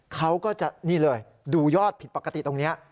เขาก็จะนี่เลยดูยอดผิดปกติตรงนี้